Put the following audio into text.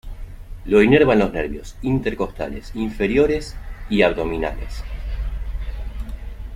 Lo inervan los nervios intercostales inferiores y abdominales.